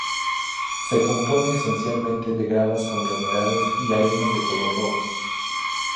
Se compone esencialmente de gravas, conglomerados y arenas de color rojo.